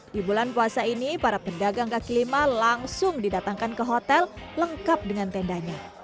di bulan puasa ini para pedagang kaki lima langsung didatangkan ke hotel lengkap dengan tendanya